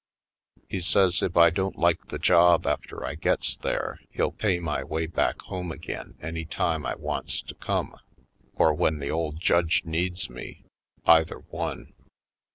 He says if I don't like the job after I gets there, he'll pay my way back home again any time I wants to come, or when the old judge needs me, either one.